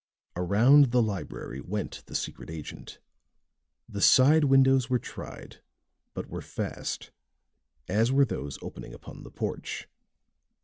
Around the library went the secret agent; the side windows were tried, but were fast, as were those opening upon the porch.